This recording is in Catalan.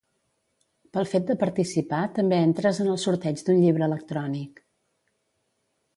Pel fet de participar també entres en el sorteig d'un llibre electrònic.